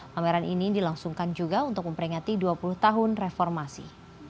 pameran ini dilangsungkan juga untuk memperingati dua puluh tahun reformasi